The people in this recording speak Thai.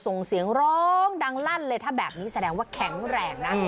ส่งเสียงร้องดังลั่นเลยถ้าแบบนี้แสดงว่าแข็งแรงนะ